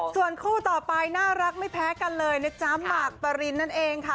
ส่วนคู่ต่อไปน่ารักไม่แพ้กันเลยนะจ๊ะหมากปรินนั่นเองค่ะ